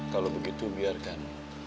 kalau begitu biarkan